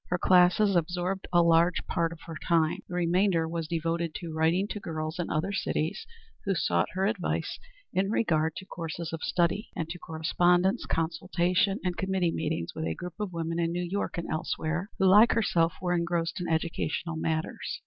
Her classes absorbed a large portion of her time. The remainder was devoted to writing to girls in other cities who sought her advice in regard to courses of study, and to correspondence, consultation, and committee meetings with a group of women in New York and elsewhere, who like herself were engrossed in educational matters.